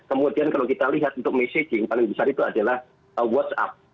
kemudian kalau kita lihat untuk messaging paling besar itu adalah whatsapp